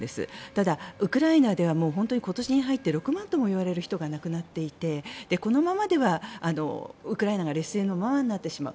ただ、ウクライナでは本当に今年に入って６万ともいわれる人が亡くなっていてこのままではウクライナが劣勢のままになってしまう。